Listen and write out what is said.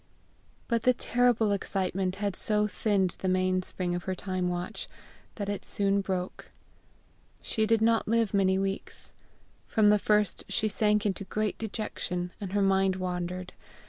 But the terrible excitement had so thinned the mainspring of her time watch, that it soon broke. She did not live many weeks. From the first she sank into great dejection, and her mind wandered.